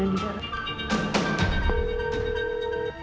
kejadian di daerah